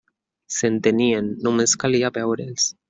S'entenien, només calia veure'ls!